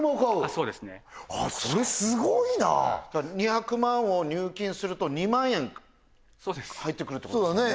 そうですねそれすごいな２００万を入金すると２万円入ってくるってことですもんね